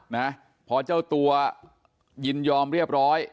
นะพอเจ้าตัวยินยอมเรียบร้อย